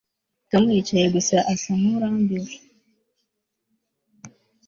Tom yicaye gusa asa nkurambiwe